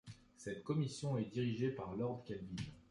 Cette commission est dirigée par Lord Kelvin.